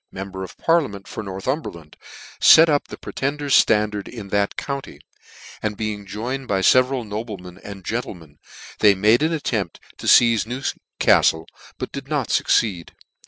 member of Parliament for Northumberland, let up the Pretender's flandard in that county, and being joined by feveral noble men and gentlemen, they made an attempt to feize Newcaftle, but did not fucceed.